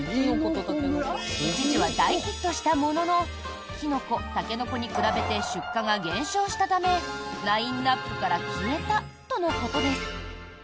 一時は大ヒットしたもののきのこ、たけのこに比べて出荷が減少したためラインアップから消えたとのことです。